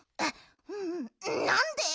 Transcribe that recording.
んなんで？